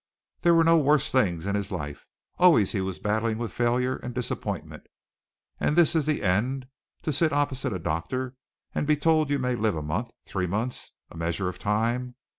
There were no worse things in his life. Always he was battling with failure and disappointment. And this is the end, to sit opposite a doctor, and be told you may live a month, three months, a measure of time.